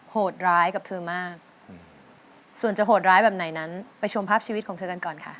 โหดร้ายกับเธอมากส่วนจะโหดร้ายแบบไหนนั้นไปชมภาพชีวิตของเธอกันก่อนค่ะ